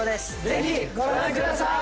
ぜひご覧ください！